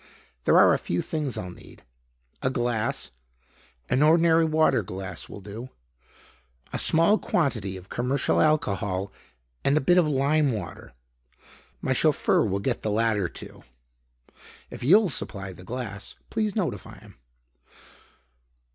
There are a few things I'll need; a glass, an ordinary water glass will do, a small quantity of commercial alcohol and a bit of lime water. My chauffeur will get the latter two, if you'll supply the glass. Please notify him."